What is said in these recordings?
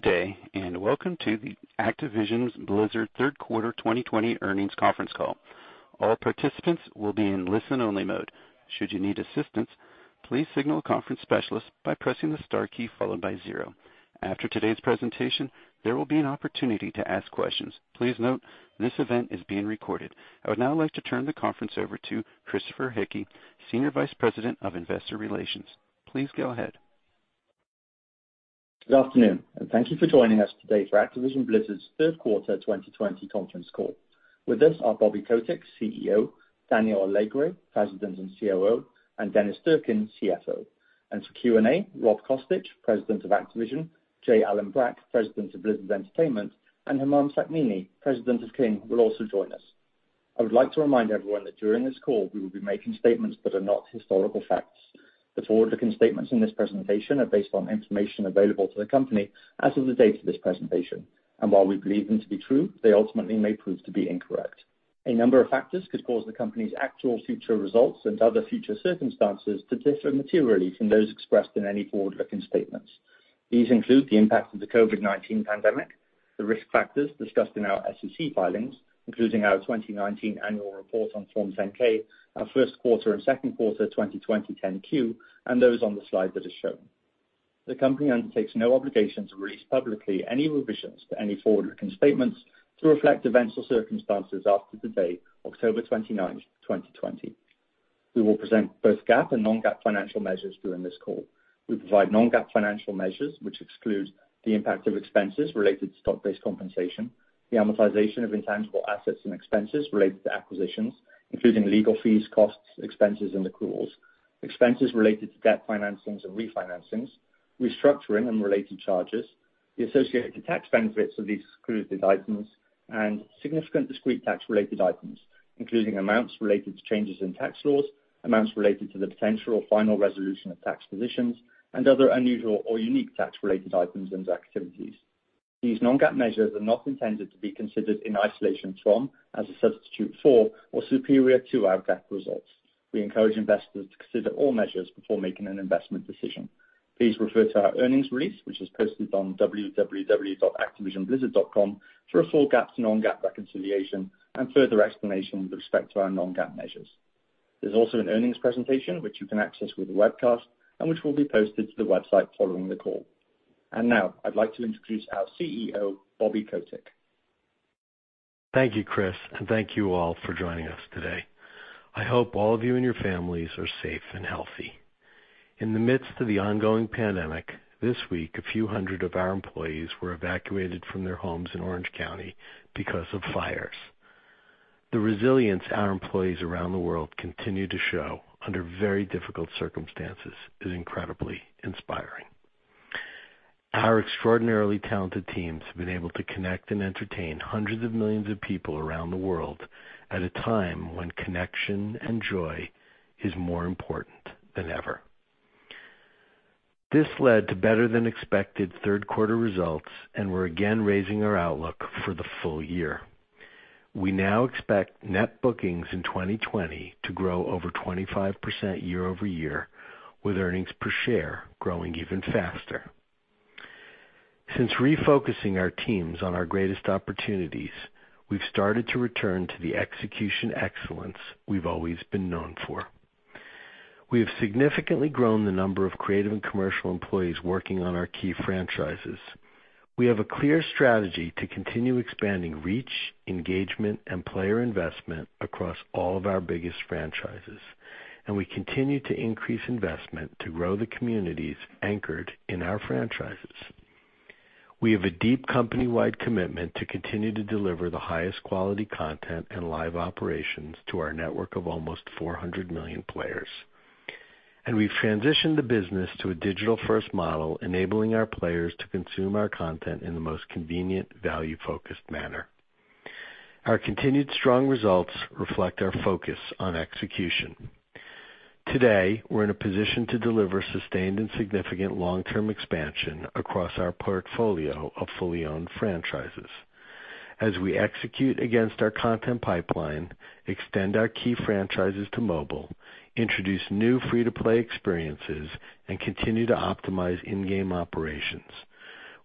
Good day. Welcome to the Activision Blizzard third quarter 2020 earnings conference call. All participants will be in listen only mode. After today's presentation, there will be an opportunity to ask questions. Please note, this event is being recorded. I would now like to turn the conference over to Christopher Hickey, Senior Vice President of Investor Relations. Please go ahead. Good afternoon, thank you for joining us today for Activision Blizzard's third quarter 2020 conference call. With us are Bobby Kotick, CEO, Daniel Alegre, President and COO, and Dennis Durkin, CFO. For Q&A, Rob Kostich, President of Activision, J. Allen Brack, President of Blizzard Entertainment, and Humam Sakhnini, President of King, will also join us. I would like to remind everyone that during this call, we will be making statements that are not historical facts. The forward-looking statements in this presentation are based on information available to the company as of the date of this presentation. While we believe them to be true, they ultimately may prove to be incorrect. A number of factors could cause the company's actual future results and other future circumstances to differ materially from those expressed in any forward-looking statements. These include the impact of the COVID-19 pandemic, the risk factors discussed in our SEC filings, including our 2019 annual report on Form 10-K, our first quarter and second quarter 2020 10-Q, and those on the slide that is shown. The company undertakes no obligation to release publicly any revisions to any forward-looking statements to reflect events or circumstances after today, October 29th, 2020. We will present both GAAP and non-GAAP financial measures during this call. We provide non-GAAP financial measures, which exclude the impact of expenses related to stock-based compensation, the amortization of intangible assets and expenses related to acquisitions, including legal fees, costs, expenses, and accruals, expenses related to debt financings and refinancings, restructuring and related charges, the associated tax benefits of these excluded items, and significant discrete tax-related items, including amounts related to changes in tax laws, amounts related to the potential or final resolution of tax positions, and other unusual or unique tax-related items and activities. These non-GAAP measures are not intended to be considered in isolation from, as a substitute for, or superior to our GAAP results. We encourage investors to consider all measures before making an investment decision. Please refer to our earnings release, which is posted on www.activisionblizzard.com for a full GAAP to non-GAAP reconciliation and further explanation with respect to our non-GAAP measures. There's also an earnings presentation which you can access with the webcast and which will be posted to the website following the call. Now I'd like to introduce our CEO, Bobby Kotick. Thank you, Chris. Thank you all for joining us today. I hope all of you and your families are safe and healthy. In the midst of the ongoing pandemic, this week, a few hundred of our employees were evacuated from their homes in Orange County because of fires. The resilience our employees around the world continue to show under very difficult circumstances is incredibly inspiring. Our extraordinarily talented teams have been able to connect and entertain hundreds of millions of people around the world at a time when connection and joy is more important than ever. This led to better than expected third quarter results, and we're again raising our outlook for the full year. We now expect net bookings in 2020 to grow over 25% year-over-year, with earnings per share growing even faster. Since refocusing our teams on our greatest opportunities, we've started to return to the execution excellence we've always been known for. We have significantly grown the number of creative and commercial employees working on our key franchises. We have a clear strategy to continue expanding reach, engagement, and player investment across all of our biggest franchises, and we continue to increase investment to grow the communities anchored in our franchises. We have a deep company-wide commitment to continue to deliver the highest quality content and live operations to our network of almost 400 million players. We've transitioned the business to a digital first model, enabling our players to consume our content in the most convenient, value-focused manner. Our continued strong results reflect our focus on execution. Today, we're in a position to deliver sustained and significant long-term expansion across our portfolio of fully owned franchises. As we execute against our content pipeline, extend our key franchises to mobile, introduce new free-to-play experiences, and continue to optimize in-game operations,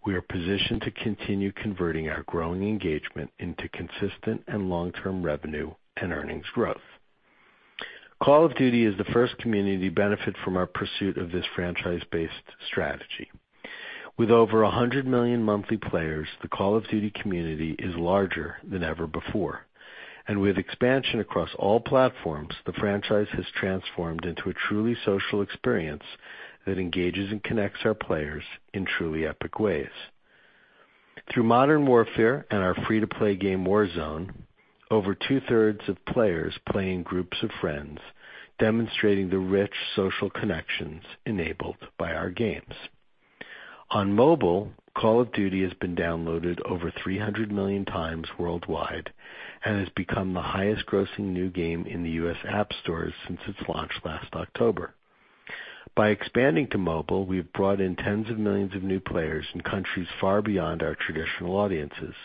we are positioned to continue converting our growing engagement into consistent and long-term revenue and earnings growth. Call of Duty is the first community to benefit from our pursuit of this franchise-based strategy. With over 100 million monthly players, the Call of Duty community is larger than ever before. With expansion across all platforms, the franchise has transformed into a truly social experience that engages and connects our players in truly epic ways. Through Modern Warfare and our free-to-play game, Warzone, over two-thirds of players play in groups of friends, demonstrating the rich social connections enabled by our games. On mobile, Call of Duty has been downloaded over 300 million times worldwide and has become the highest grossing new game in the US App Stores since its launch last October. By expanding to mobile, we've brought in tens of millions of new players in countries far beyond our traditional audiences.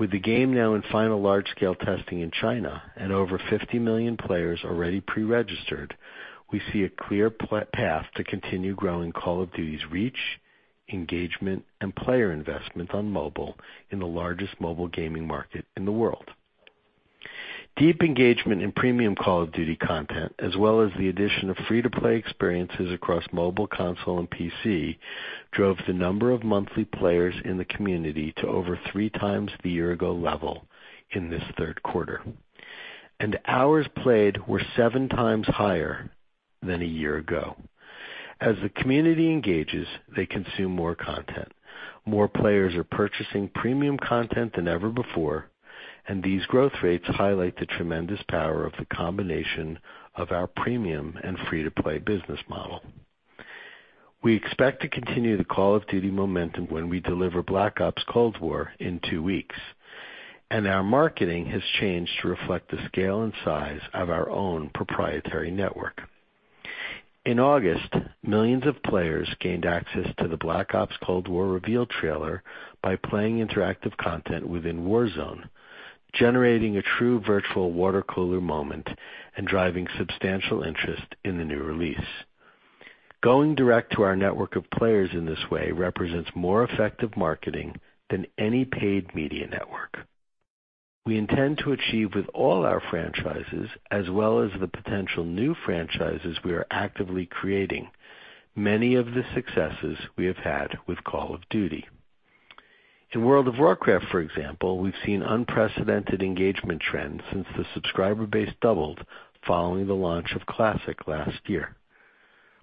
With the game now in final large-scale testing in China and over 50 million players already pre-registered, we see a clear path to continue growing Call of Duty's reach, engagement, and player investment on mobile in the largest mobile gaming market in the world. Deep engagement in premium Call of Duty content, as well as the addition of free-to-play experiences across mobile console and PC, drove the number of monthly players in the community to over three times the year-ago level in this third quarter. Hours played were seven times higher than a year ago. As the community engages, they consume more content. More players are purchasing premium content than ever before. These growth rates highlight the tremendous power of the combination of our premium and free-to-play business model. We expect to continue the Call of Duty momentum when we deliver Black Ops Cold War in two weeks. Our marketing has changed to reflect the scale and size of our own proprietary network. In August, millions of players gained access to the Black Ops Cold War reveal trailer by playing interactive content within Warzone, generating a true virtual watercooler moment and driving substantial interest in the new release. Going direct to our network of players in this way represents more effective marketing than any paid media network. We intend to achieve with all our franchises, as well as the potential new franchises we are actively creating, many of the successes we have had with Call of Duty. In World of Warcraft, for example, we've seen unprecedented engagement trends since the subscriber base doubled following the launch of Classic last year.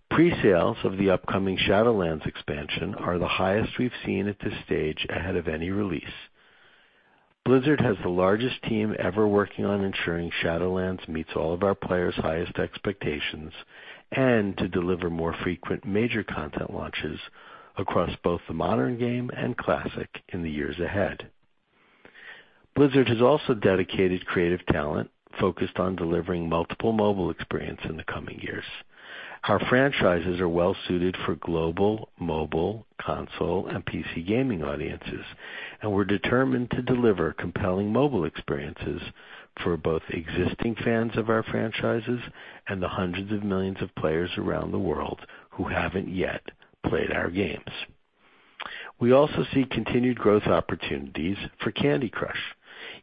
Pre-sales of the upcoming Shadowlands expansion are the highest we've seen at this stage ahead of any release. Blizzard has the largest team ever working on ensuring Shadowlands meets all of our players' highest expectations and to deliver more frequent major content launches across both the modern game and Classic in the years ahead. Blizzard has also dedicated creative talent focused on delivering multiple mobile experience in the coming years. Our franchises are well suited for global mobile console and PC gaming audiences. We're determined to deliver compelling mobile experiences for both existing fans of our franchises and the hundreds of millions of players around the world who haven't yet played our games. We also see continued growth opportunities for Candy Crush.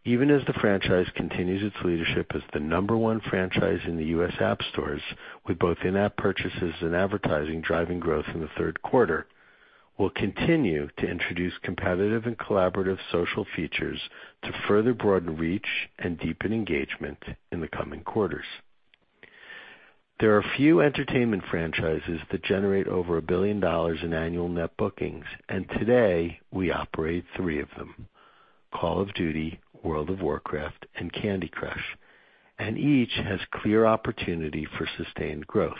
Even as the franchise continues its leadership as the number one franchise in the US App Stores, with both in-app purchases and advertising driving growth in the third quarter, we'll continue to introduce competitive and collaborative social features to further broaden reach and deepen engagement in the coming quarters. There are few entertainment franchises that generate over $1 billion in annual net bookings. Today, we operate three of them, Call of Duty, World of Warcraft, and Candy Crush. Each has clear opportunity for sustained growth.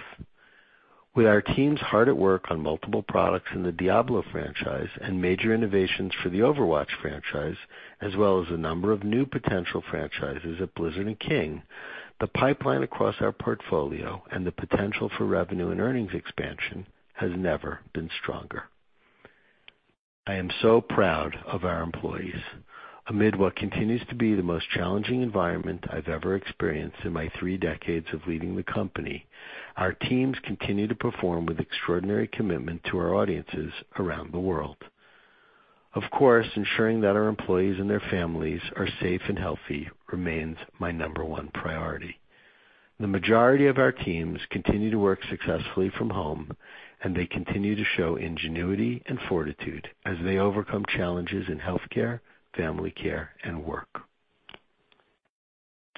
With our teams hard at work on multiple products in the Diablo franchise and major innovations for the Overwatch franchise, as well as a number of new potential franchises at Blizzard and King, the pipeline across our portfolio and the potential for revenue and earnings expansion has never been stronger. I am so proud of our employees. Amid what continues to be the most challenging environment I've ever experienced in my three decades of leading the company, our teams continue to perform with extraordinary commitment to our audiences around the world. Of course, ensuring that our employees and their families are safe and healthy remains my number one priority. The majority of our teams continue to work successfully from home, and they continue to show ingenuity and fortitude as they overcome challenges in healthcare, family care, and work.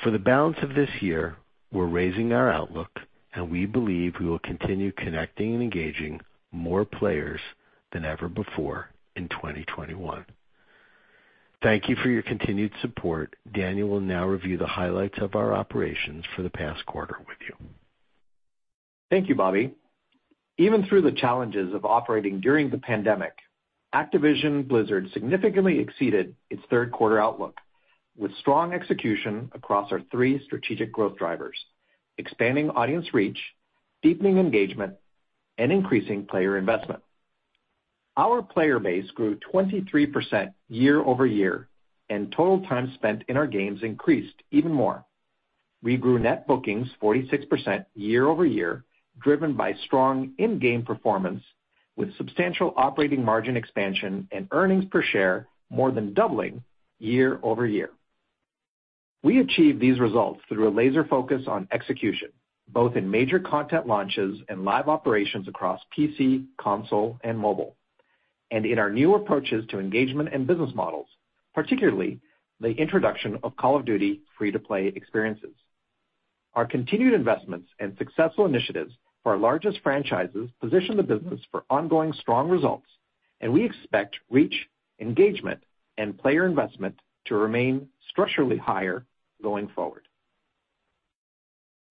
For the balance of this year, we're raising our outlook, and we believe we will continue connecting and engaging more players than ever before in 2021. Thank you for your continued support. Daniel will now review the highlights of our operations for the past quarter with you. Thank you, Bobby. Even through the challenges of operating during the pandemic, Activision Blizzard significantly exceeded its third quarter outlook with strong execution across our three strategic growth drivers: expanding audience reach, deepening engagement, and increasing player investment. Our player base grew 23% year-over-year, and total time spent in our games increased even more. We grew net bookings 46% year-over-year, driven by strong in-game performance with substantial operating margin expansion and earnings per share more than doubling year-over-year. We achieved these results through a laser focus on execution, both in major content launches and live operations across PC, console, and mobile, and in our new approaches to engagement and business models, particularly the introduction of Call of Duty free-to-play experiences. Our continued investments and successful initiatives for our largest franchises position the business for ongoing strong results, and we expect reach, engagement, and player investment to remain structurally higher going forward.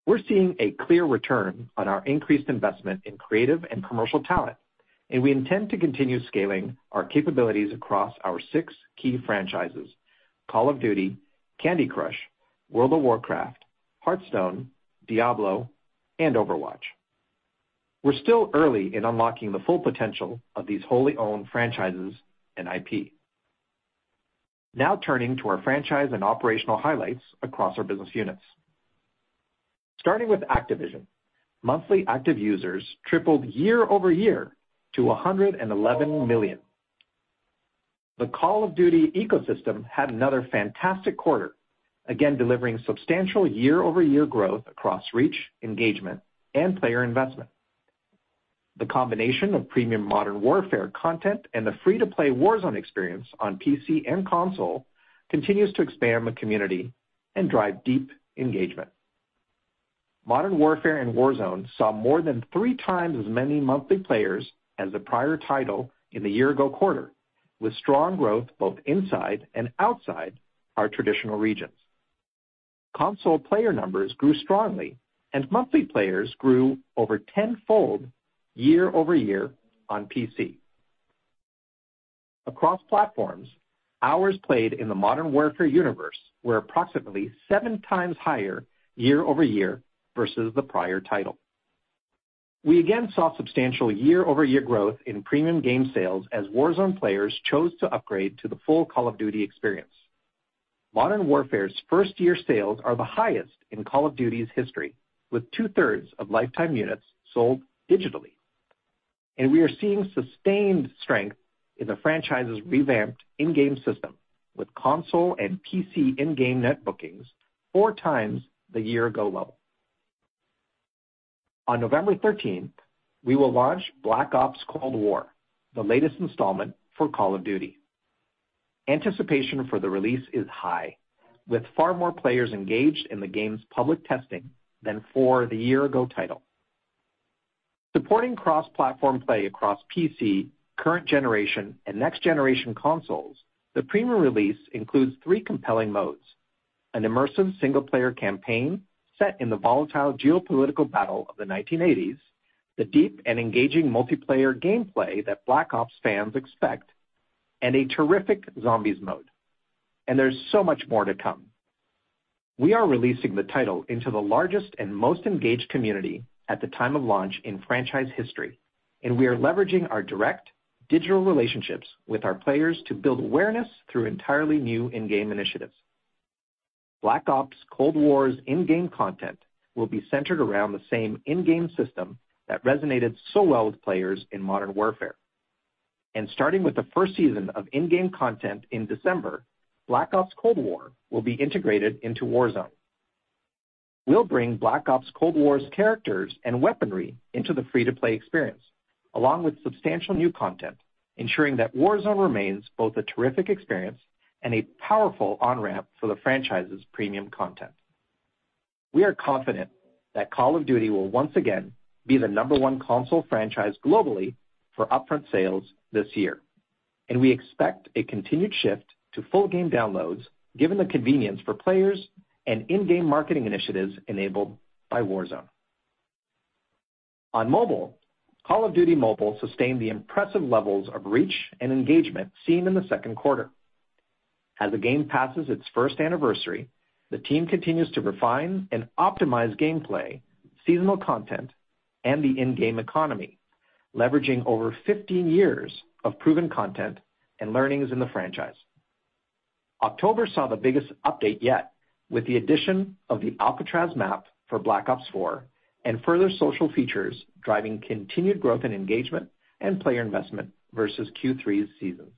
We're seeing a clear return on our increased investment in creative and commercial talent, and we intend to continue scaling our capabilities across our six key franchises, Call of Duty, Candy Crush, World of Warcraft, Hearthstone, Diablo, and Overwatch. We're still early in unlocking the full potential of these wholly owned franchises and IP. Turning to our franchise and operational highlights across our business units. Starting with Activision, monthly active users tripled year-over-year to 111 million. The Call of Duty ecosystem had another fantastic quarter, again delivering substantial year-over-year growth across reach, engagement, and player investment. The combination of premium Modern Warfare content and the free-to-play Warzone experience on PC and console continues to expand the community and drive deep engagement. Modern Warfare and Warzone saw more than three times as many monthly players as the prior title in the year-ago quarter, with strong growth both inside and outside our traditional regions. Console player numbers grew strongly, and monthly players grew over tenfold year-over-year on PC. Across platforms, hours played in the Modern Warfare universe were approximately seven times higher year-over-year versus the prior title. We again saw substantial year-over-year growth in premium game sales as Warzone players chose to upgrade to the full Call of Duty experience. Modern Warfare's first-year sales are the highest in Call of Duty's history, with two-thirds of lifetime units sold digitally. We are seeing sustained strength in the franchise's revamped in-game system, with console and PC in-game net bookings 4 times the year-ago level. On November 13th, we will launch Black Ops Cold War, the latest installment for Call of Duty. Anticipation for the release is high, with far more players engaged in the game's public testing than for the year-ago title. Supporting cross-platform play across PC, current generation, and next generation consoles, the premium release includes three compelling modes: an immersive single-player campaign set in the volatile geopolitical battle of the 1980s, the deep and engaging multiplayer gameplay that Black Ops fans expect, and a terrific zombies mode. There's so much more to come. We are releasing the title into the largest and most engaged community at the time of launch in franchise history, and we are leveraging our direct digital relationships with our players to build awareness through entirely new in-game initiatives. Black Ops Cold War's in-game content will be centered around the same in-game system that resonated so well with players in Modern Warfare. Starting with the first season of in-game content in December, Black Ops Cold War will be integrated into Warzone. We'll bring Black Ops Cold War's characters and weaponry into the free-to-play experience, along with substantial new content, ensuring that Warzone remains both a terrific experience and a powerful on-ramp for the franchise's premium content. We are confident that Call of Duty will once again be the number one console franchise globally for upfront sales this year, and we expect a continued shift to full game downloads given the convenience for players and in-game marketing initiatives enabled by Warzone. On mobile, Call of Duty Mobile sustained the impressive levels of reach and engagement seen in the second quarter. As the game passes its first anniversary, the team continues to refine and optimize gameplay, seasonal content, and the in-game economy, leveraging over 15 years of proven content and learnings in the franchise. October saw the biggest update yet, with the addition of the Alcatraz map for Black Ops 4 and further social features driving continued growth in engagement and player investment versus Q3's season.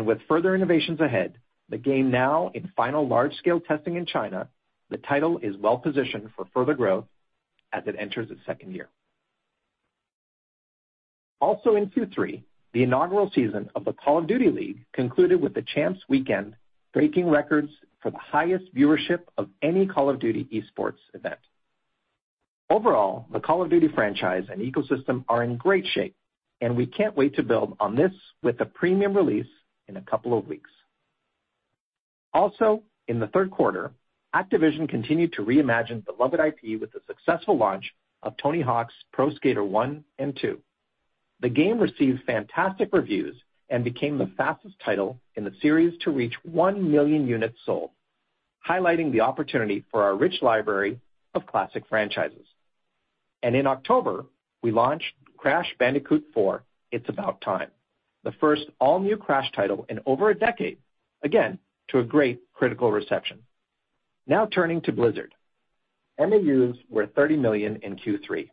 With further innovations ahead, the game now in final large-scale testing in China, the title is well positioned for further growth as it enters its second year. Also in Q3, the inaugural season of the Call of Duty League concluded with the Champs Weekend, breaking records for the highest viewership of any Call of Duty esports event. Overall, the Call of Duty franchise and ecosystem are in great shape, and we can't wait to build on this with the premium release in a couple of weeks. Also in the third quarter, Activision continued to reimagine beloved IP with the successful launch of Tony Hawk's Pro Skater 1 + 2. The game received fantastic reviews and became the fastest title in the series to reach one million units sold, highlighting the opportunity for our rich library of classic franchises. In October, we launched Crash Bandicoot 4: It's About Time, the first all-new Crash title in over a decade, again, to a great critical reception. Now turning to Blizzard. MAUs were 30 million in Q3.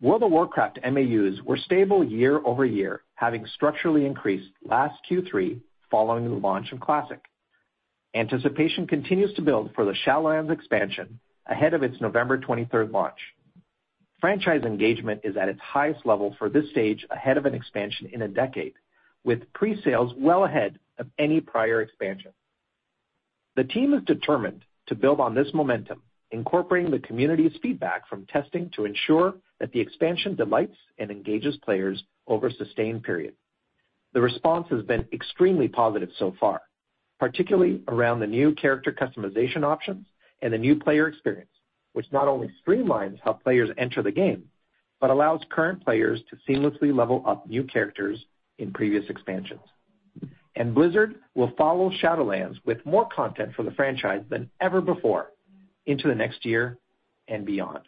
World of Warcraft MAUs were stable year-over-year, having structurally increased last Q3 following the launch of Classic. Anticipation continues to build for the Shadowlands expansion ahead of its November 23rd launch. Franchise engagement is at its highest level for this stage ahead of an expansion in a decade, with pre-sales well ahead of any prior expansion. The team is determined to build on this momentum, incorporating the community's feedback from testing to ensure that the expansion delights and engages players over a sustained period. The response has been extremely positive so far, particularly around the new character customization options and the new player experience, which not only streamlines how players enter the game, but allows current players to seamlessly level up new characters in previous expansions. Blizzard will follow Shadowlands with more content for the franchise than ever before into the next year and beyond.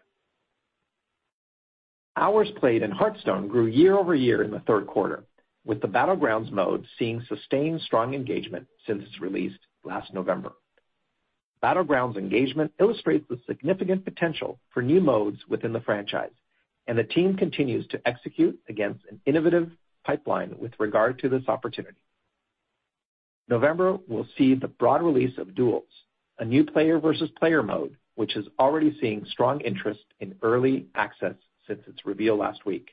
Hours played in Hearthstone grew year-over-year in the third quarter, with the Battlegrounds mode seeing sustained strong engagement since its release last November. Battlegrounds engagement illustrates the significant potential for new modes within the franchise. The team continues to execute against an innovative pipeline with regard to this opportunity. November will see the broad release of Duels, a new player versus player mode, which is already seeing strong interest in early access since its reveal last week,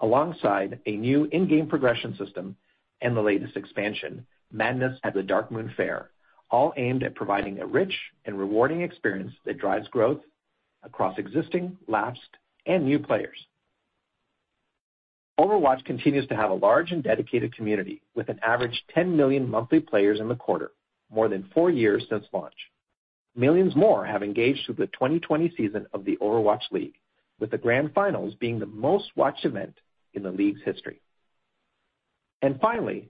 alongside a new in-game progression system and the latest expansion, Madness at the Darkmoon Faire, all aimed at providing a rich and rewarding experience that drives growth across existing, lapsed, and new players. Overwatch continues to have a large and dedicated community, with an average 10 million monthly players in the quarter, more than four years since launch. Millions more have engaged with the 2020 season of the Overwatch League, with the grand finals being the most-watched event in the league's history. Finally,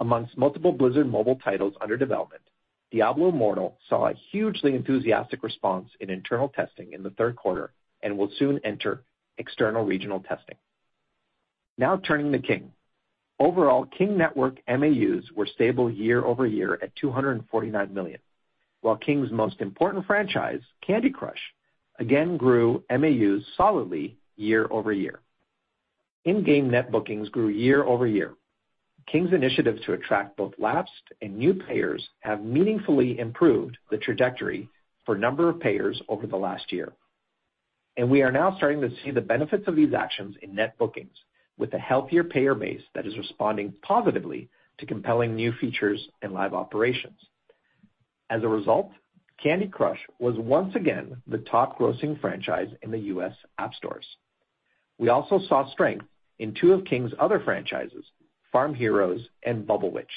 amongst multiple Blizzard mobile titles under development, Diablo Immortal saw a hugely enthusiastic response in internal testing in the third quarter and will soon enter external regional testing. Now turning to King. Overall, King network MAUs were stable year-over-year at 249 million, while King's most important franchise, Candy Crush, again grew MAUs solidly year-over-year. In-game net bookings grew year-over-year. King's initiatives to attract both lapsed and new payers have meaningfully improved the trajectory for number of payers over the last year. We are now starting to see the benefits of these actions in net bookings with a healthier payer base that is responding positively to compelling new features and live operations. As a result, Candy Crush was once again the top grossing franchise in the U.S. App Stores. We also saw strength in two of King's other franchises, Farm Heroes and Bubble Witch,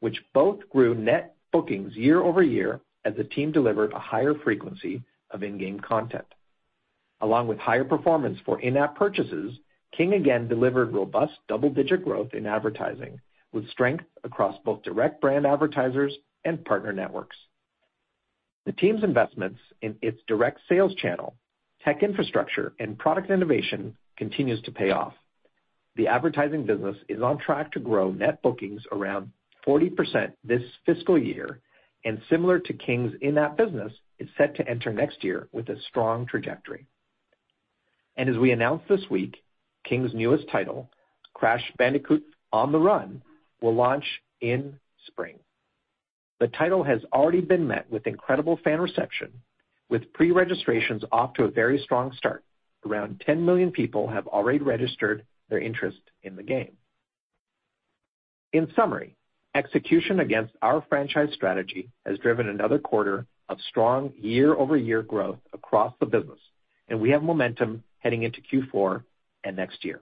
which both grew net bookings year-over-year as the team delivered a higher frequency of in-game content. Along with higher performance for in-app purchases, King again delivered robust double-digit growth in advertising, with strength across both direct brand advertisers and partner networks. The team's investments in its direct sales channel, tech infrastructure, and product innovation continues to pay off. The advertising business is on track to grow net bookings around 40% this fiscal year, similar to King's in-app business, is set to enter next year with a strong trajectory. As we announced this week, King's newest title, Crash Bandicoot: On the Run, will launch in spring. The title has already been met with incredible fan reception, with pre-registrations off to a very strong start. Around 10 million people have already registered their interest in the game. In summary, execution against our franchise strategy has driven another quarter of strong year-over-year growth across the business, and we have momentum heading into Q4 and next year.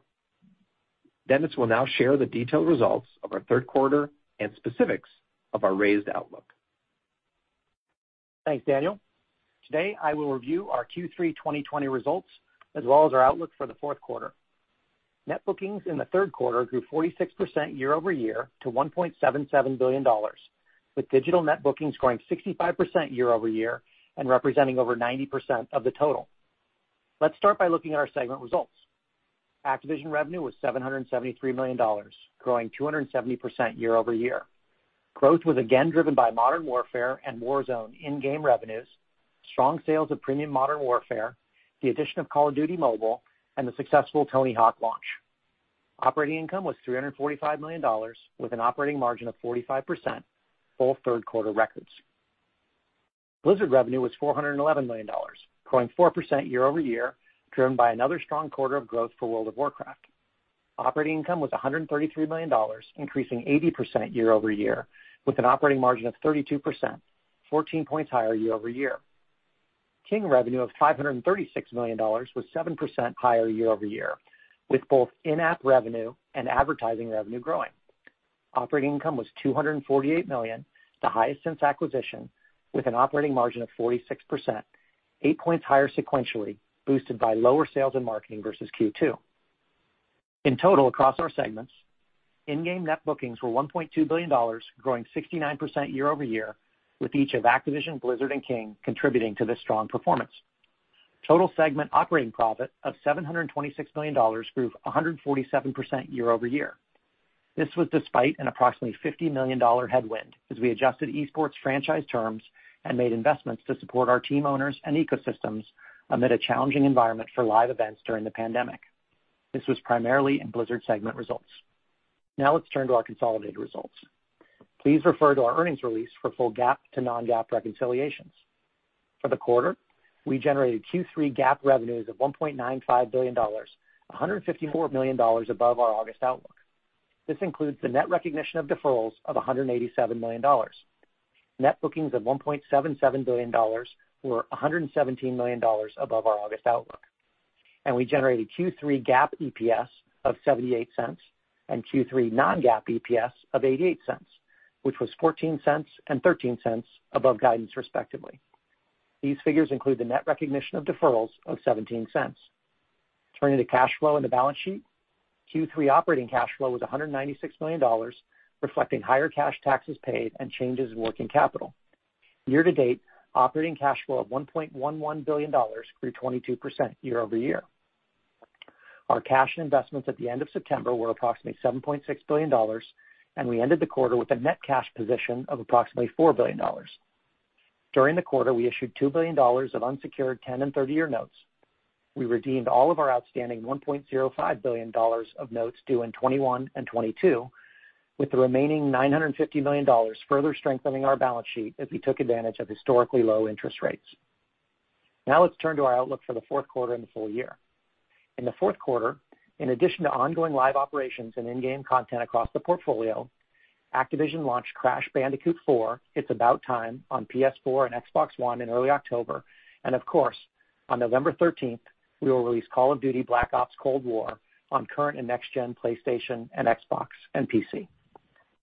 Dennis will now share the detailed results of our third quarter and specifics of our raised outlook. Thanks, Daniel. Today, I will review our Q3 2020 results as well as our outlook for the fourth quarter. Net bookings in the third quarter grew 46% year-over-year to $1.77 billion, with digital net bookings growing 65% year-over-year and representing over 90% of the total. Let's start by looking at our segment results. Activision revenue was $773 million, growing 270% year-over-year. Growth was again driven by Modern Warfare and Warzone in-game revenues, strong sales of premium Modern Warfare, the addition of Call of Duty Mobile, and the successful Tony Hawk launch. Operating income was $345 million, with an operating margin of 45%, both third-quarter records. Blizzard revenue was $411 million, growing 4% year-over-year, driven by another strong quarter of growth for World of Warcraft. Operating income was $133 million, increasing 80% year-over-year, with an operating margin of 32%, 14 points higher year-over-year. King revenue of $536 million was 7% higher year-over-year, with both in-app revenue and advertising revenue growing. Operating income was $248 million, the highest since acquisition, with an operating margin of 46%, eight points higher sequentially, boosted by lower sales and marketing versus Q2. In total, across our segments, in-game net bookings were $1.2 billion, growing 69% year-over-year, with each of Activision, Blizzard, and King contributing to this strong performance. Total segment operating profit of $726 million grew 147% year-over-year. This was despite an approximately $50 million headwind as we adjusted esports franchise terms and made investments to support our team owners and ecosystems amid a challenging environment for live events during the pandemic. This was primarily in Blizzard segment results. Now let's turn to our consolidated results. Please refer to our earnings release for full GAAP to non-GAAP reconciliations. For the quarter, we generated Q3 GAAP revenues of $1.95 billion, $154 million above our August outlook. This includes the net recognition of deferrals of $187 million. Net bookings of $1.77 billion were $117 million above our August outlook. We generated Q3 GAAP EPS of $0.88 and Q3 non-GAAP EPS of $0.88, which was $0.14 and $0.13 above guidance, respectively. These figures include the net recognition of deferrals of $0.17. Turning to cash flow and the balance sheet. Q3 operating cash flow was $196 million, reflecting higher cash taxes paid and changes in working capital. Year to date, operating cash flow of $1.11 billion grew 22% year-over-year. Our cash and investments at the end of September were approximately $7.6 billion, and we ended the quarter with a net cash position of approximately $4 billion. During the quarter, we issued $2 billion of unsecured 10 and 30 year notes. We redeemed all of our outstanding $1.05 billion of notes due in 2021 and 2022, with the remaining $950 million further strengthening our balance sheet as we took advantage of historically low interest rates. Let's turn to our outlook for the fourth quarter and the full year. In the fourth quarter, in addition to ongoing live operations and in-game content across the portfolio, Activision launched Crash Bandicoot 4: It's About Time on PS4 and Xbox One in early October. Of course, on November 13th, we will release Call of Duty: Black Ops Cold War on current and next gen PlayStation and Xbox and PC.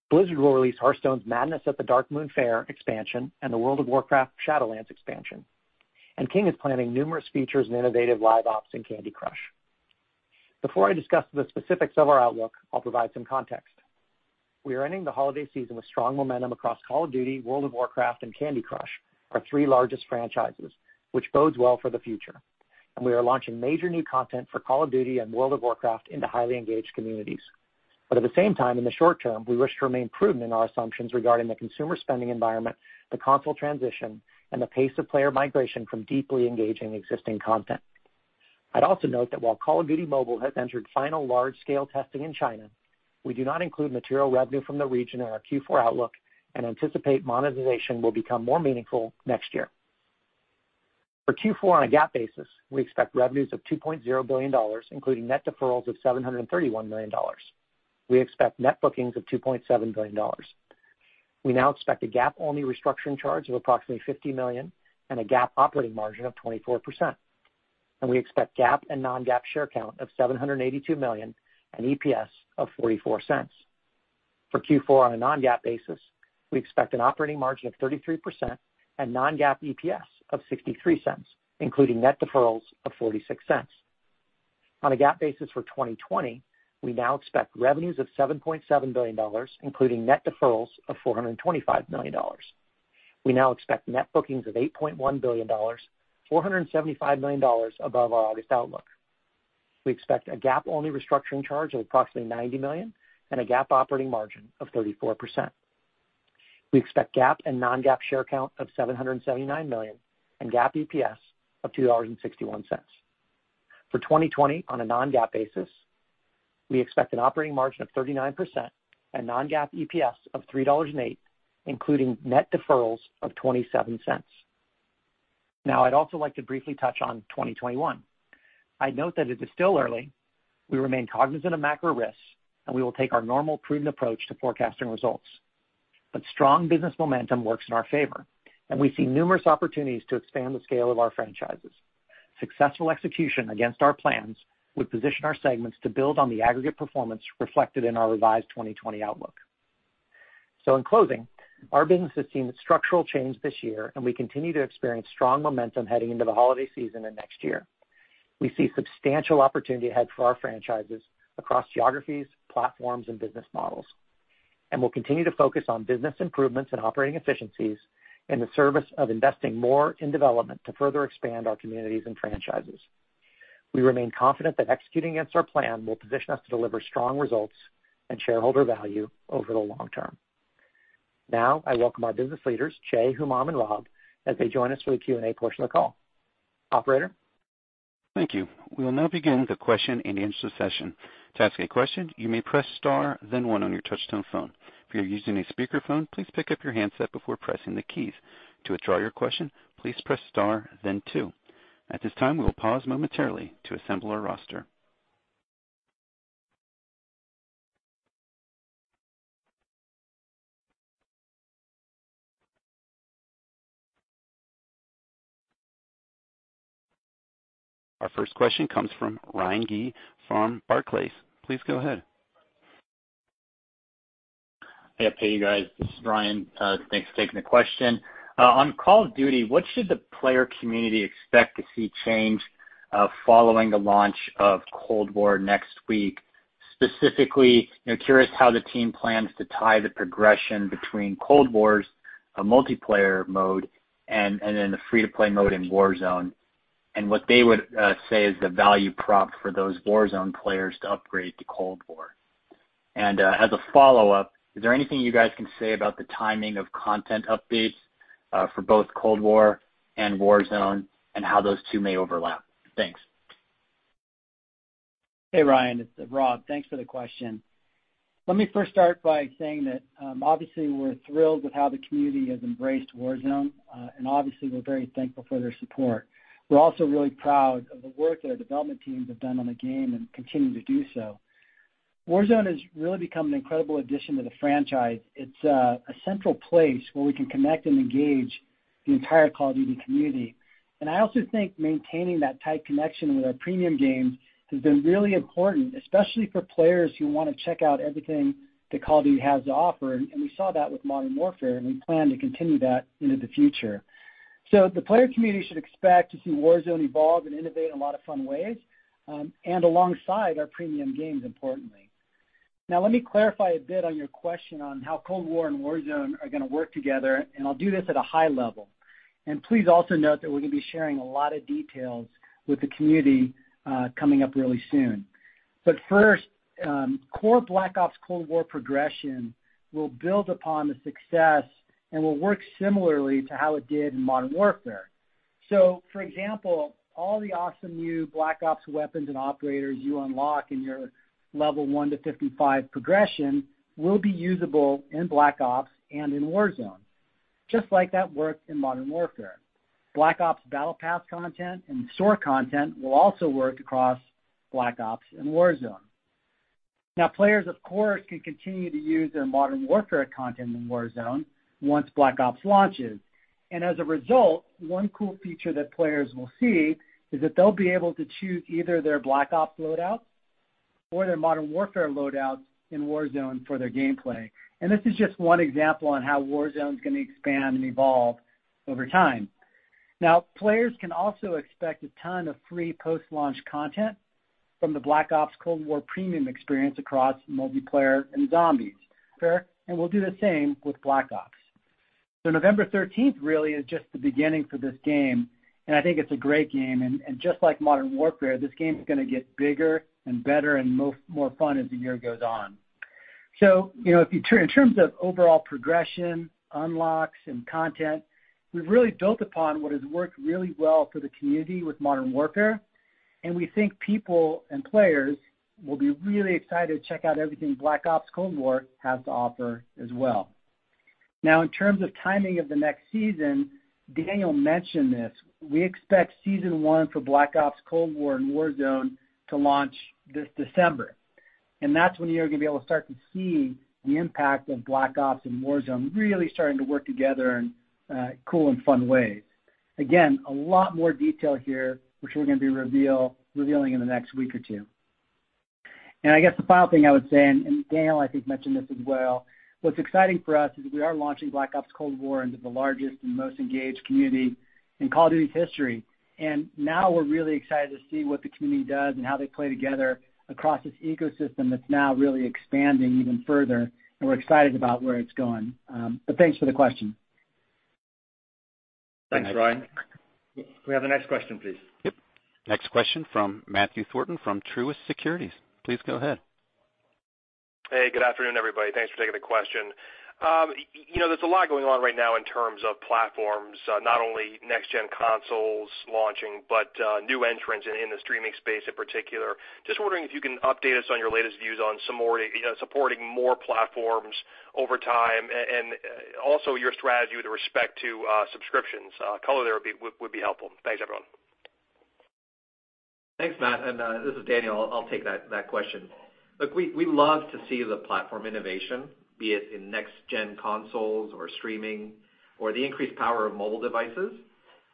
Blizzard will release Hearthstone's Madness at the Darkmoon Faire expansion and the World of Warcraft Shadowlands expansion. King is planning numerous features and innovative live ops in Candy Crush. Before I discuss the specifics of our outlook, I'll provide some context. We are ending the holiday season with strong momentum across Call of Duty, World of Warcraft, and Candy Crush, our three largest franchises, which bodes well for the future. We are launching major new content for Call of Duty and World of Warcraft into highly engaged communities. At the same time, in the short term, we wish to remain prudent in our assumptions regarding the consumer spending environment, the console transition, and the pace of player migration from deeply engaging existing content. I'd also note that while Call of Duty Mobile has entered final large-scale testing in China, we do not include material revenue from the region in our Q4 outlook and anticipate monetization will become more meaningful next year. For Q4 on a GAAP basis, we expect revenues of $2.0 billion, including net deferrals of $731 million. We expect net bookings of $2.7 billion. We now expect a GAAP-only restructuring charge of approximately $50 million and a GAAP operating margin of 24%. We expect GAAP and non-GAAP share count of 782 million and EPS of $0.44. For Q4 on a non-GAAP basis, we expect an operating margin of 33% and non-GAAP EPS of $0.63, including net deferrals of $0.46. On a GAAP basis for 2020, we now expect revenues of $7.7 billion, including net deferrals of $425 million. We now expect net bookings of $8.1 billion, $475 million above our August outlook. We expect a GAAP-only restructuring charge of approximately $90 million and a GAAP operating margin of 34%. We expect GAAP and non-GAAP share count of 779 million and GAAP EPS of $2.61. For 2020 on a non-GAAP basis, we expect an operating margin of 39% and non-GAAP EPS of $3.08, including net deferrals of $0.27. I'd also like to briefly touch on 2021. I'd note that it is still early. We remain cognizant of macro risks, and we will take our normal prudent approach to forecasting results. Strong business momentum works in our favor, and we see numerous opportunities to expand the scale of our franchises. Successful execution against our plans would position our segments to build on the aggregate performance reflected in our revised 2020 outlook. In closing, our business has seen structural change this year, and we continue to experience strong momentum heading into the holiday season and next year. We see substantial opportunity ahead for our franchises across geographies, platforms, and business models. We'll continue to focus on business improvements and operating efficiencies in the service of investing more in development to further expand our communities and franchises. We remain confident that executing against our plan will position us to deliver strong results and shareholder value over the long term. Now I welcome our business leaders, Jay, Humam and Rob, as they join us for the Q&A portion of the call. Operator. Thank you. We will now begin the question and answer session. At this time, we will pause momentarily to assemble our roster. Our first question comes from Ryan Gee from Barclays. Please go ahead. Hey, hey you guys, this is Ryan. Thanks for taking the question. On Call of Duty, what should the player community expect to see change following the launch of Cold War next week? Specifically, curious how the team plans to tie the progression between Cold War's multiplayer mode and then the free to play mode in Warzone, and what they would say is the value prop for those Warzone players to upgrade to Cold War. As a follow-up, is there anything you guys can say about the timing of content updates for both Cold War and Warzone and how those two may overlap? Thanks. Hey Ryan, it's Rob. Thanks for the question. Let me first start by saying that obviously we're thrilled with how the community has embraced Warzone, and obviously we're very thankful for their support. We're also really proud of the work that our development teams have done on the game and continue to do so. Warzone has really become an incredible addition to the franchise. It's a central place where we can connect and engage the entire Call of Duty community. I also think maintaining that tight connection with our premium games has been really important, especially for players who want to check out everything that Call of Duty has to offer. We saw that with Modern Warfare, and we plan to continue that into the future. The player community should expect to see Warzone evolve and innovate in a lot of fun ways, and alongside our premium games, importantly. Let me clarify a bit on your question on how Cold War and Warzone are going to work together, and I'll do this at a high level. Please also note that we're going to be sharing a lot of details with the community coming up really soon. First, core Black Ops Cold War progression will build upon the success and will work similarly to how it did in Modern Warfare. For example, all the awesome new Black Ops weapons and operators you unlock in your level 1 to 55 progression will be usable in Black Ops and in Warzone, just like that worked in Modern Warfare. Black Ops Battle Pass content and store content will also work across Black Ops and Warzone. Players, of course, can continue to use their Modern Warfare content in Warzone once Black Ops launches. As a result, one cool feature that players will see is that they'll be able to choose either their Black Ops loadout or their Modern Warfare loadout in Warzone for their gameplay. This is just one example on how Warzone is going to expand and evolve over time. Players can also expect a ton of free post-launch content from the Black Ops Cold War premium experience across multiplayer and zombies. Fair. We'll do the same with Black Ops. November 13th really is just the beginning for this game, and I think it's a great game. Just like Modern Warfare, this game is going to get bigger and better and more fun as the year goes on. In terms of overall progression, unlocks, and content, we've really built upon what has worked really well for the community with Modern Warfare. We think people and players will be really excited to check out everything Black Ops Cold War has to offer as well. Now, in terms of timing of the next season, Daniel mentioned this. We expect season 1 for Black Ops Cold War and Warzone to launch this December. That's when you're going to be able to start to see the impact of Black Ops and Warzone really starting to work together in cool and fun ways. Again, a lot more detail here, which we're going to be revealing in the next week or 2. I guess the final thing I would say, Daniel, I think, mentioned this as well, what's exciting for us is we are launching Black Ops Cold War into the largest and most engaged community in Call of Duty's history. Now we're really excited to see what the community does and how they play together across this ecosystem that's now really expanding even further. We're excited about where it's going. Thanks for the question. Thanks, Ryan. Can we have the next question, please? Yep. Next question from Matthew Thornton from Truist Securities. Please go ahead. Hey, good afternoon, everybody. Thanks for taking the question. There's a lot going on right now in terms of platforms, not only next-gen consoles launching, but new entrants in the streaming space in particular. Just wondering if you can update us on your latest views on supporting more platforms over time and also your strategy with respect to subscriptions. Color there would be helpful. Thanks, everyone. Thanks, Matt. This is Daniel. I'll take that question. Look, we love to see the platform innovation, be it in next-gen consoles or streaming or the increased power of mobile devices,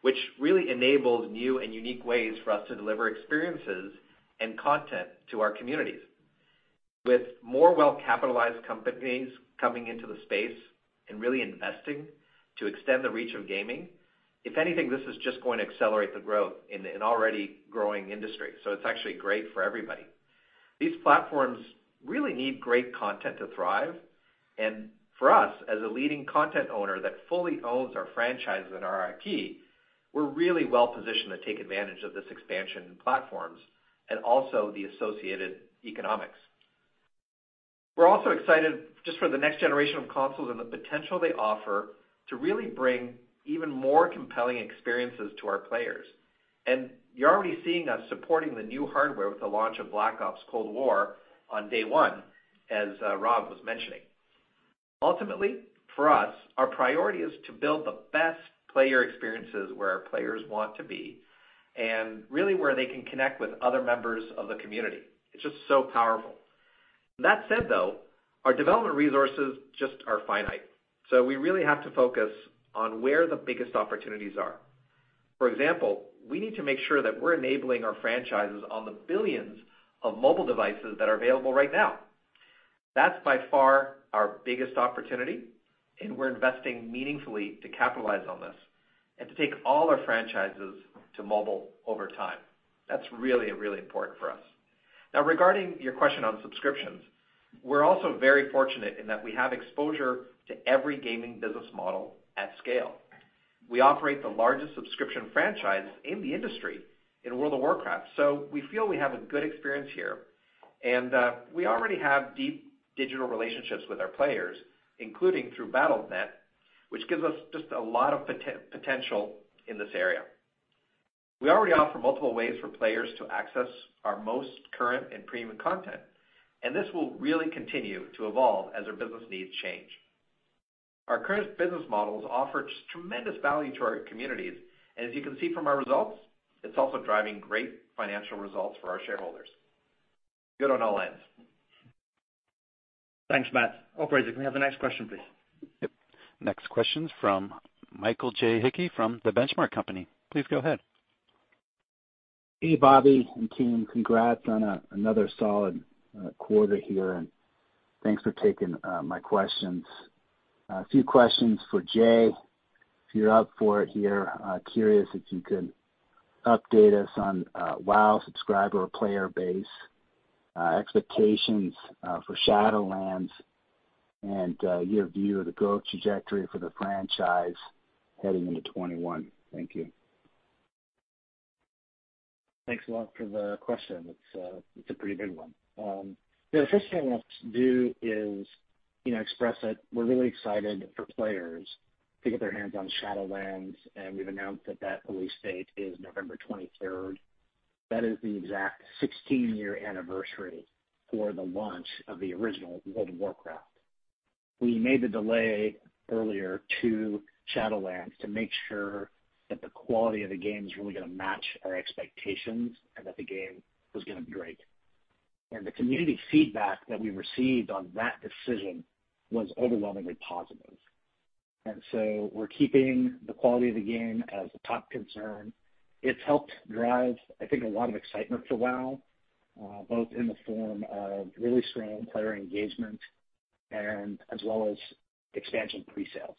which really enables new and unique ways for us to deliver experiences and content to our communities. With more well-capitalized companies coming into the space and really investing to extend the reach of gaming, if anything, this is just going to accelerate the growth in an already growing industry. It's actually great for everybody. These platforms really need great content to thrive. For us, as a leading content owner that fully owns our franchises and our IP, we're really well-positioned to take advantage of this expansion in platforms and also the associated economics. We're also excited just for the next generation of consoles and the potential they offer to really bring even more compelling experiences to our players. You're already seeing us supporting the new hardware with the launch of Black Ops Cold War on day one, as Rob was mentioning. Ultimately, for us, our priority is to build the best player experiences where our players want to be and really where they can connect with other members of the community. It's just so powerful. That said, though, our development resources just are finite. We really have to focus on where the biggest opportunities are. For example, we need to make sure that we're enabling our franchises on the billions of mobile devices that are available right now. That's by far our biggest opportunity, and we're investing meaningfully to capitalize on this and to take all our franchises to mobile over time. That's really, really important for us. Now, regarding your question on subscriptions, we're also very fortunate in that we have exposure to every gaming business model at scale. We operate the largest subscription franchise in the industry in World of Warcraft. We feel we have a good experience here. We already have deep digital relationships with our players, including through Battle.net, which gives us just a lot of potential in this area. We already offer multiple ways for players to access our most current and premium content, and this will really continue to evolve as our business needs change. Our current business models offer tremendous value to our communities, and as you can see from our results, it's also driving great financial results for our shareholders. Good on all ends. Thanks, Matt. Operator, can we have the next question, please? Yep. Next question is from Michael J. Hickey from The Benchmark Company. Please go ahead. Hey, Bobby and team. Congrats on another solid quarter here, Thanks for taking my questions. A few questions for Jay, if you're up for it here. Curious if you could update us on WoW subscriber player base, expectations for Shadowlands, and your view of the growth trajectory for the franchise heading into 2021. Thank you. Thanks a lot for the question. It's a pretty big one. The first thing I want to do is express that we're really excited for players to get their hands on Shadowlands, and we've announced that release date is November 23rd. That is the exact 16-year anniversary for the launch of the original World of Warcraft. We made the delay earlier to Shadowlands to make sure that the quality of the game is really going to match our expectations and that the game was going to be great. The community feedback that we received on that decision was overwhelmingly positive. We're keeping the quality of the game as a top concern. It's helped drive, I think, a lot of excitement for WoW, both in the form of really strong player engagement and as well as expansion pre-sales.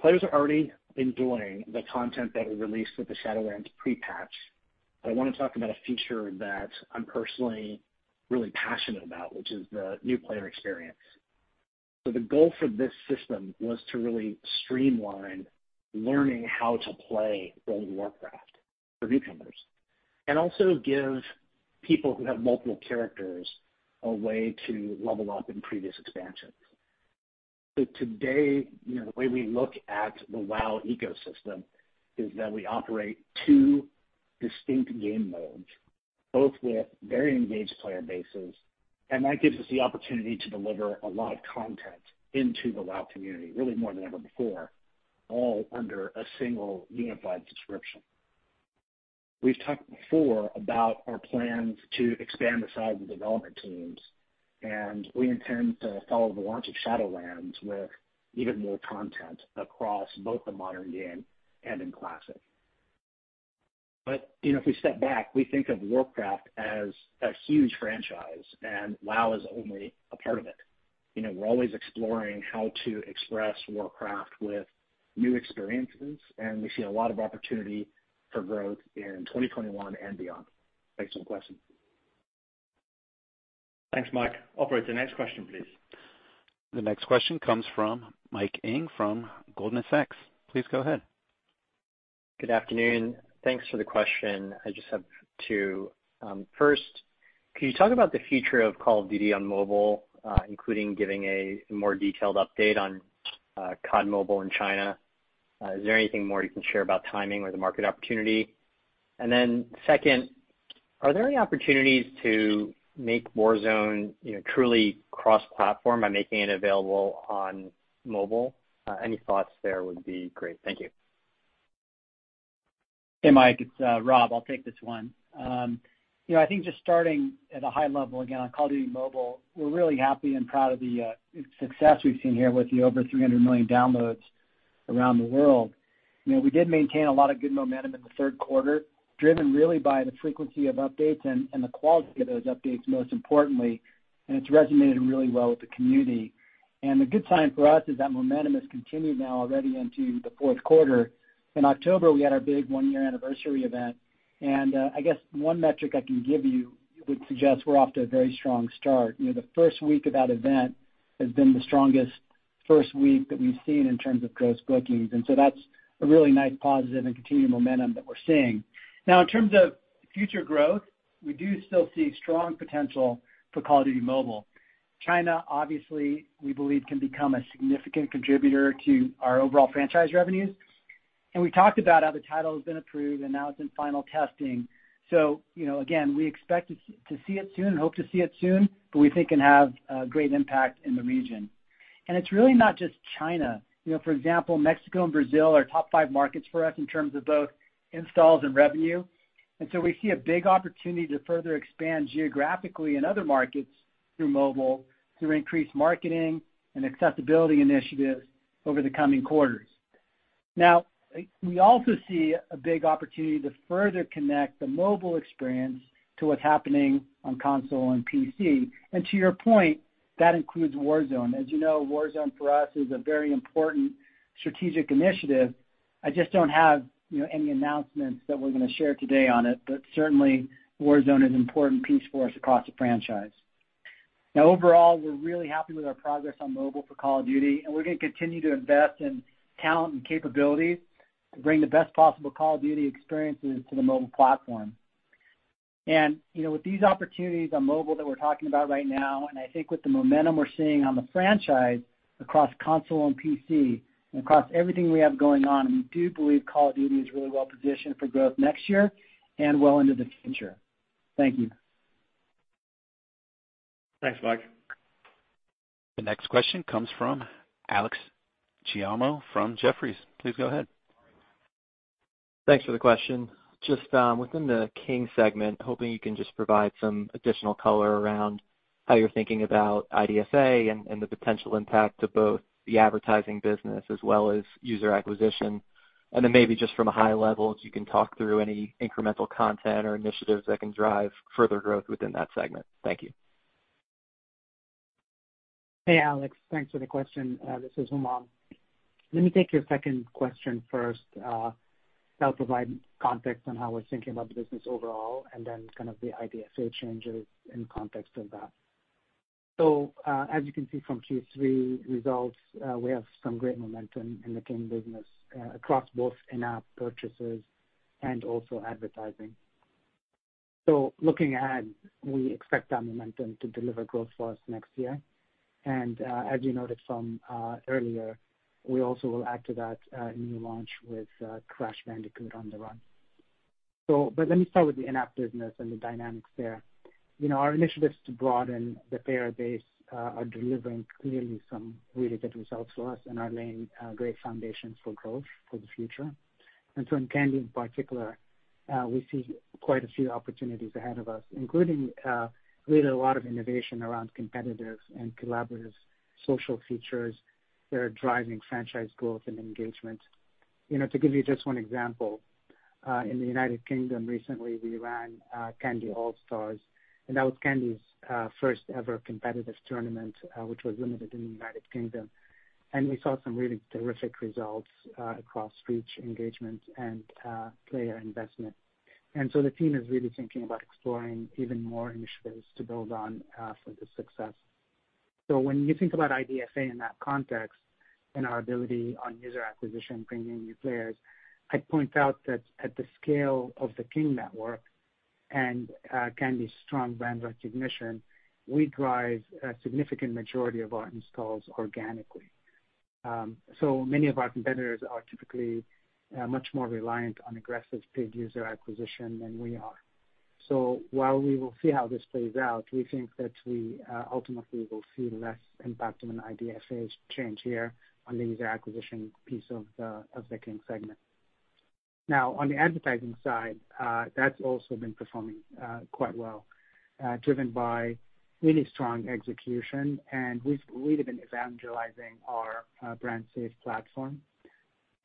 Players are already enjoying the content that we released with the Shadowlands pre-patch. I want to talk about a feature that I'm personally really passionate about, which is the new player experience. The goal for this system was to really streamline learning how to play World of Warcraft for newcomers, and also give people who have multiple characters a way to level up in previous expansions. Today, the way we look at the WoW ecosystem is that we operate two distinct game modes, both with very engaged player bases, and that gives us the opportunity to deliver a lot of content into the WoW community, really more than ever before, all under a single unified subscription. We've talked before about our plans to expand the size of development teams, and we intend to follow the launch of Shadowlands with even more content across both the modern game and in Classic. If we step back, we think of Warcraft as a huge franchise, and WoW is only a part of it. We're always exploring how to express Warcraft with new experiences, and we see a lot of opportunity for growth in 2021 and beyond. Thanks for the question. Thanks, Mike. Operator, next question, please. The next question comes from Mike Ng from Goldman Sachs. Please go ahead. Good afternoon. Thanks for the question. I just have two. First, can you talk about the future of Call of Duty on mobile, including giving a more detailed update on COD Mobile in China? Is there anything more you can share about timing or the market opportunity? Second, are there any opportunities to make Warzone truly cross-platform by making it available on mobile? Any thoughts there would be great. Thank you. Hey, Mike, it's Rob. I'll take this one. I think just starting at a high level, again, on Call of Duty Mobile, we're really happy and proud of the success we've seen here with the over 300 million downloads around the world. We did maintain a lot of good momentum in the third quarter, driven really by the frequency of updates and the quality of those updates, most importantly. It's resonated really well with the community. The good sign for us is that momentum has continued now already into the fourth quarter. In October, we had our big one-year anniversary event. I guess one metric I can give you would suggest we're off to a very strong start. The first week of that event has been the strongest first week that we've seen in terms of gross bookings, that's a really nice positive and continued momentum that we're seeing. Now, in terms of future growth, we do still see strong potential for Call of Duty Mobile. China, obviously, we believe, can become a significant contributor to our overall franchise revenues. We talked about how the title has been approved and now it's in final testing. Again, we expect to see it soon and hope to see it soon, but we think it can have a great impact in the region. It's really not just China. For example, Mexico and Brazil are top 5 markets for us in terms of both installs and revenue. We see a big opportunity to further expand geographically in other markets through mobile, through increased marketing and accessibility initiatives over the coming quarters. We also see a big opportunity to further connect the mobile experience to what's happening on console and PC. To your point, that includes Warzone. As you know, Warzone for us is a very important strategic initiative. I just don't have any announcements that we're going to share today on it. Warzone is an important piece for us across the franchise. Overall, we're really happy with our progress on mobile for Call of Duty, and we're going to continue to invest in talent and capabilities to bring the best possible Call of Duty experiences to the mobile platform. With these opportunities on mobile that we're talking about right now, and I think with the momentum we're seeing on the franchise across console and PC and across everything we have going on, we do believe Call of Duty is really well positioned for growth next year and well into the future. Thank you. Thanks, Mike. The next question comes from Alex Giaimo from Jefferies. Please go ahead. Thanks for the question. Just within the King segment, hoping you can just provide some additional color around. How you're thinking about IDFA and the potential impact of both the advertising business as well as user acquisition. Maybe just from a high level, if you can talk through any incremental content or initiatives that can drive further growth within that segment. Thank you. Hey, Alex. Thanks for the question. This is Humam. Let me take your second question first. That'll provide context on how we're thinking about the business overall, the IDFA changes in context of that. As you can see from Q3 results, we have some great momentum in the King business across both in-app purchases and also advertising. Looking ahead, we expect that momentum to deliver growth for us next year. As you noted from earlier, we also will add to that new launch with Crash Bandicoot: On the Run! Let me start with the in-app business and the dynamics there. Our initiatives to broaden the player base are delivering clearly some really good results for us and are laying a great foundation for growth for the future. In Candy in particular, we see quite a few opportunities ahead of us, including really a lot of innovation around competitive and collaborative social features that are driving franchise growth and engagement. To give you just one example, in the U.K. recently, we ran Candy Crush All Stars, and that was Candy's first ever competitive tournament, which was limited in the U.K. We saw some really terrific results across reach, engagement, and player investment. The team is really thinking about exploring even more initiatives to build on for the success. When you think about IDFA in that context and our ability on user acquisition, bringing in new players, I'd point out that at the scale of the King network and Candy's strong brand recognition, we drive a significant majority of our installs organically. Many of our competitors are typically much more reliant on aggressive paid user acquisition than we are. While we will see how this plays out, we think that we ultimately will see less impact of an IDFA's change here on the user acquisition piece of the King segment. Now, on the advertising side, that's also been performing quite well, driven by really strong execution. We've really been evangelizing our brand-safe platform.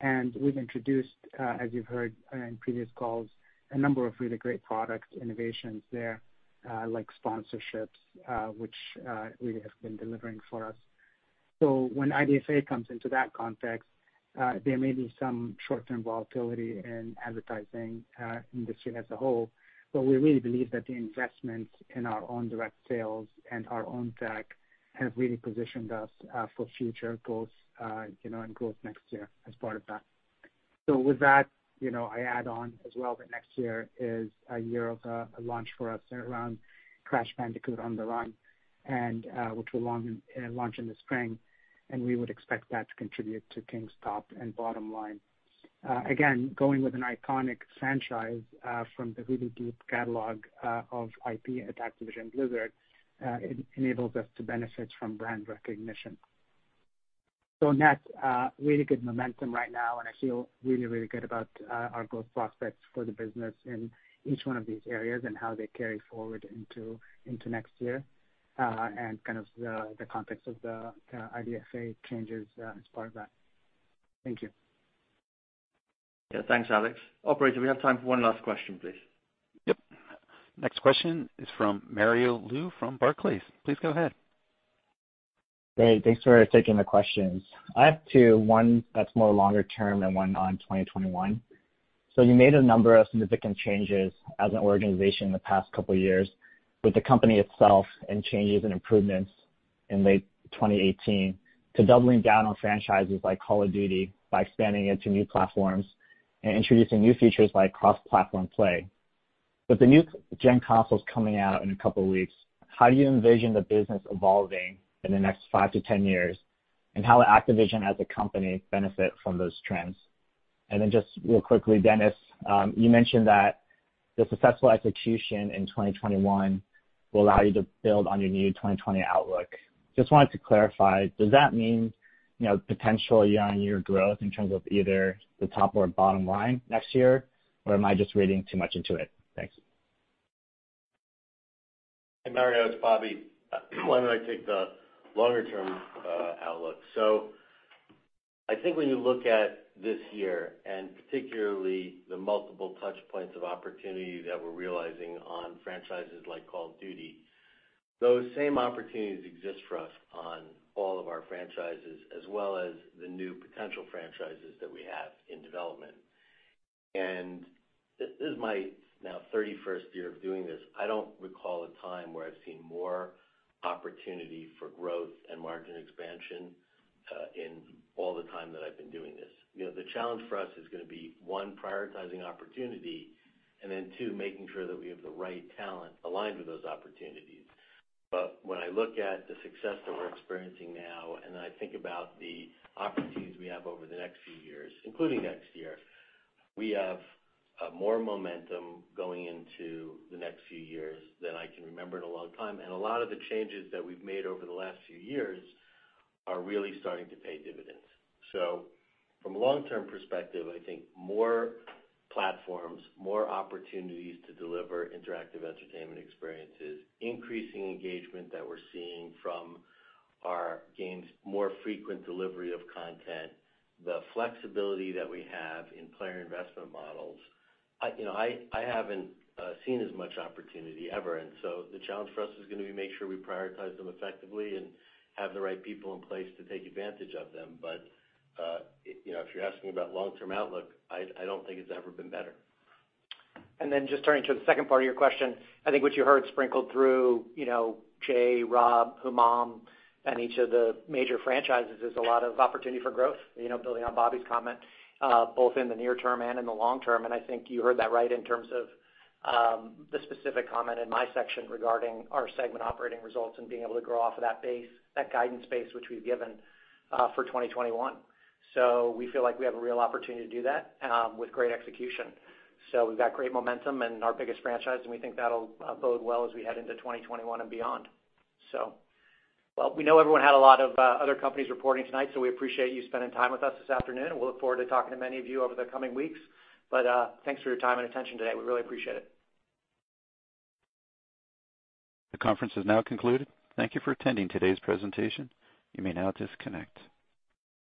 We've introduced, as you've heard in previous calls, a number of really great product innovations there, like sponsorships, which really have been delivering for us. When IDFA comes into that context, there may be some short-term volatility in advertising industry as a whole, but we really believe that the investment in our own direct sales and our own tech have really positioned us for future growth, and growth next year as part of that. With that, I add on as well that next year is a year of a launch for us around Crash Bandicoot: On the Run!, which will launch in the spring, and we would expect that to contribute to King's top and bottom line. Again, going with an iconic franchise from the really deep catalog of IP at Activision Blizzard, it enables us to benefit from brand recognition. Net, really good momentum right now, and I feel really, really good about our growth prospects for the business in each one of these areas and how they carry forward into next year, and kind of the context of the IDFA changes as part of that. Thank you. Yeah. Thanks, Alex. Operator, we have time for one last question, please. Yep. Next question is from Mario Lu from Barclays. Please go ahead. Great. Thanks for taking the questions. I have two, one that's more longer term and one on 2021. You made a number of significant changes as an organization in the past couple of years with the company itself and changes and improvements in late 2018 to doubling down on franchises like Call of Duty by expanding into new platforms and introducing new features like cross-platform play. With the new-gen consoles coming out in a couple of weeks, how do you envision the business evolving in the next 5-10 years, and how will Activision as a company benefit from those trends? Just real quickly, Dennis, you mentioned that the successful execution in 2021 will allow you to build on your new 2020 outlook. Just wanted to clarify, does that mean potential year-on-year growth in terms of either the top or bottom line next year, or am I just reading too much into it? Thanks. Hey, Mario, it's Bobby. Why don't I take the longer-term outlook? I think when you look at this year, and particularly the multiple touch points of opportunity that we're realizing on franchises like Call of Duty, those same opportunities exist for us on all of our franchises as well as the new potential franchises that we have in development. This is my now 31st year of doing this. I don't recall a time where I've seen more opportunity for growth and margin expansion in all the time that I've been doing this. The challenge for us is going to be, one, prioritizing opportunity, two, making sure that we have the right talent aligned with those opportunities. When I look at the success that we're experiencing now, and I think about the opportunities we have over the next few years, including next year, we have more momentum going into the next few years than I can remember in a long time. A lot of the changes that we've made over the last few years are really starting to pay dividends. From a long-term perspective, I think more platforms, more opportunities to deliver interactive entertainment experiences, increasing engagement that we're seeing from our games, more frequent delivery of content, the flexibility that we have in player investment models. I haven't seen as much opportunity ever. The challenge for us is going to be make sure we prioritize them effectively and have the right people in place to take advantage of them. If you're asking about long-term outlook, I don't think it's ever been better. Just turning to the second part of your question, I think what you heard sprinkled through Jay, Rob, Humam, and each of the major franchises is a lot of opportunity for growth, building on Bobby's comment, both in the near term and in the long term. I think you heard that right in terms of the specific comment in my section regarding our segment operating results and being able to grow off of that base, that guidance base, which we've given for 2021. We feel like we have a real opportunity to do that with great execution. We've got great momentum in our biggest franchise, and we think that'll bode well as we head into 2021 and beyond. Well, we know everyone had a lot of other companies reporting tonight, so we appreciate you spending time with us this afternoon. We look forward to talking to many of you over the coming weeks. Thanks for your time and attention today. We really appreciate it. The conference is now concluded. Thank you for attending today's presentation. You may now disconnect.